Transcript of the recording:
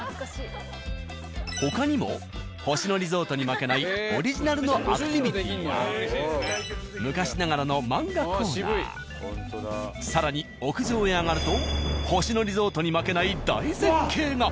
他にも星野リゾートに負けないオリジナルのアクティビティや昔ながらの漫画コーナー更に屋上へ上がると星野リゾートに負けない大絶景が。